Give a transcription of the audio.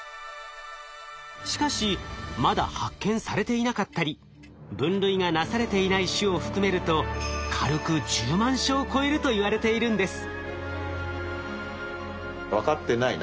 しかしまだ発見されていなかったり分類がなされていない種を含めると軽く１０万種を超えるといわれているんです。